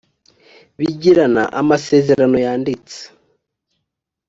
bigirana amasezerano yanditse